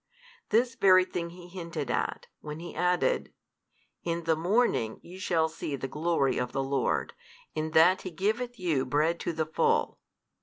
This very thing He hinted at, when He added, In the morning ye shall see the glory of the Lord, in that He giveth you bread to the full.